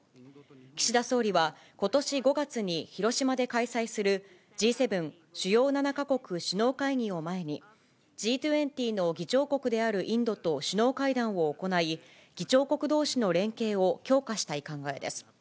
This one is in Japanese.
岸田総理はことし５月に広島で開催する、Ｇ７・主要７か国首脳会議を前に、Ｇ２０の議長国であるインドと首脳会談を行い、議長国どうしの連携を強化したい考えです。